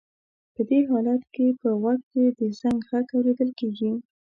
په دې حالت کې په غوږ کې د زنګ غږ اورېدل کېږي.